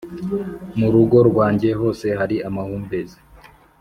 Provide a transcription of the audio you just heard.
mu rugo rwanjye hose hari amahumbezi